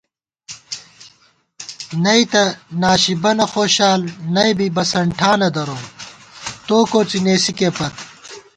نئیتہ ناشی بَنہ خوشال نئ بی بسَنٹھانہ دروم، تو کوڅی نېسِکےپت